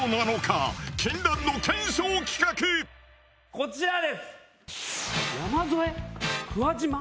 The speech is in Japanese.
こちらです。